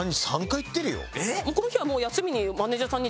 この日はもう休みに。